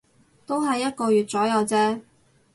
都係一個月左右啫